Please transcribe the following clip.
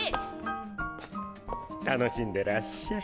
楽しんでらっしゃい！